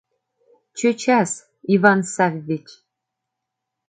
Чӧчас, Иван Саввич.